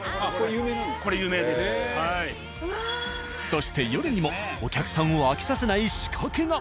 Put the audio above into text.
そして夜にもお客さんを飽きさせない仕掛けが！